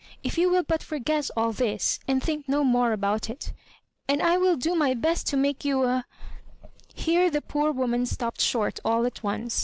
If you will but forget all this, and think no more about it, and I will do ray best to make you a—" Here the poor wo man stopped short all at once.